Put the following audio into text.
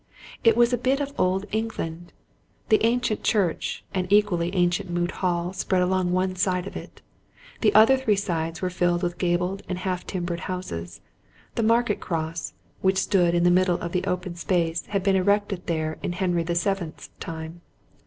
It was a bit of old England. The ancient church and equally ancient Moot Hall spread along one side of it; the other three sides were filled with gabled and half timbered houses; the Market Cross which stood in the middle of the open space had been erected there in Henry the Seventh's time.